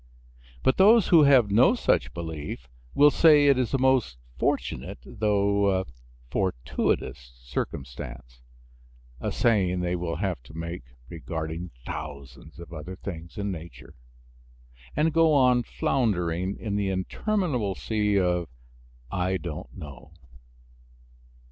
But those who have no such belief will say it is a most fortunate though fortuitous circumstance (a saying they will have to make, regarding thousands of other things in nature), and go on floundering in the interminable sea of "I don't know."